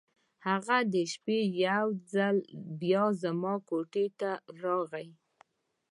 هغه د شپې یو ځل بیا زما کوټې ته راغی.